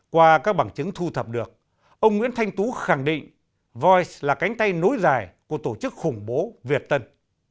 qua các bằng chứng thu thập được ông nguyễn thanh tú khẳng định voi là cánh tay nối dài của tổ chức khủng bố việt tân